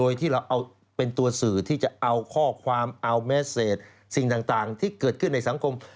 สิ่งต่างที่เกิดขึ้นในสังคม